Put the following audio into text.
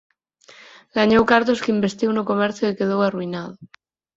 Gañou cartos que investiu no comercio e quedou arruinado.